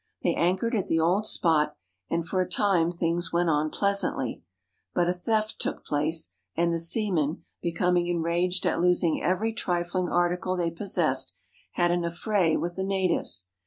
They anchored at the old spot, and for 514 THE LAST VOYAGE OF CAPTAIN COOK a time things went on pleasantly; but a theft took place, and the seamen, becoming enraged at losing every trifling article they possessed, had an affray with the natives.